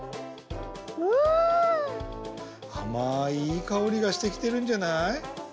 あまいいいかおりがしてきてるんじゃない？